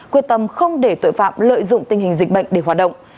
quyết tâm không để tội phạm lợi dụng tình hình dịch bệnh để hoạt động